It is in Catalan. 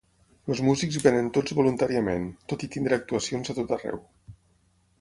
Els músics vénen tots voluntàriament, tot i tenir actuacions a tot arreu.